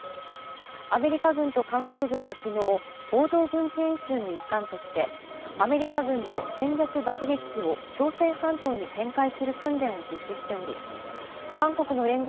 アメリカ軍と韓国軍は昨日、合同軍事演習の一環として、アメリカ軍の戦略爆撃機を朝鮮半島に展開する訓練を実施しており韓国の聯合